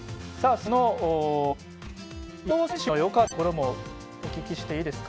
その伊藤選手のよかったところもお聞きしていいですか。